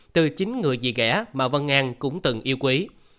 từ chính người dì ghẻ mà vân an cũng từng yêu quý